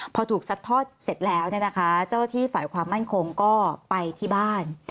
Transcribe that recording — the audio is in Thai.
พอถูกซัดทอดเสร็จแล้วเนี่ยนะคะเจ้าที่ฝ่ายความมั่นคงก็ไปที่บ้าน